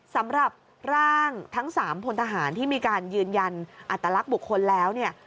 สำหรับร่างทั้ง๓พลทหารที่มีการยืนยันอัตลักษณ์บุคคลแล้วเนี่ย